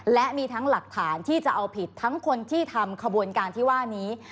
และมีทั้งหลักฐานที่จะเอาผิดทั้งคนที่ทำขบวนการที่ว่านี้